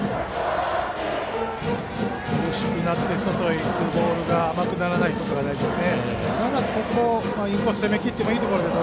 苦しくなって外へのボールが甘くならないことが大事です。